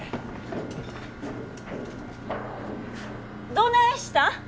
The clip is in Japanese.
どないしたん。